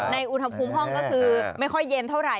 อุณหภูมิห้องก็คือไม่ค่อยเย็นเท่าไห